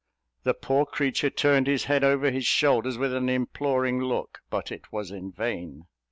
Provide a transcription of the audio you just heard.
The poor creature turned his head over his shoulders with an imploring look, but it was in vain.